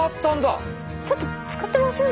ちょっとつかってません？